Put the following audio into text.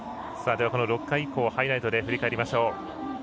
６回以降ハイライトで振り返りましょう。